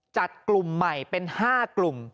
จัดกลุ่มใหม่เป็น๕กลุ่ม